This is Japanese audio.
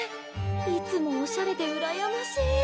いつもオシャレでうらやましい！